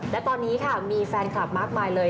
และตอนนี้ค่ะมีแฟนคลับมากมายเลย